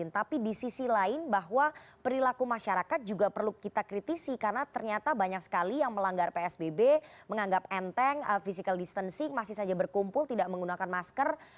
tapi di sisi lain bahwa perilaku masyarakat juga perlu kita kritisi karena ternyata banyak sekali yang melanggar psbb menganggap enteng physical distancing masih saja berkumpul tidak menggunakan masker